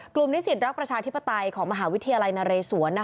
นิสิตรักประชาธิปไตยของมหาวิทยาลัยนเรศวร